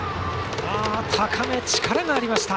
高め、力がありました。